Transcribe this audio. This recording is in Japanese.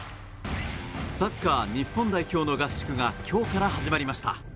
サッカー日本代表の合宿が今日から始まりました。